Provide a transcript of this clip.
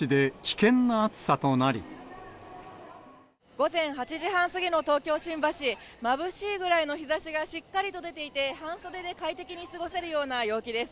午前８時半過ぎの東京・新橋、まぶしいぐらいの日ざしがしっかり出ていて、半袖で快適に過ごせるような陽気です。